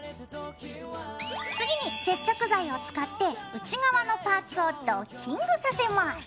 次に接着剤を使って内側のパーツをドッキングさせます。